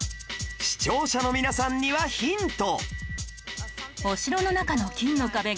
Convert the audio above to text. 視聴者の皆さんにはヒント！